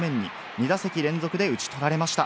２打席連続で打ち取られました。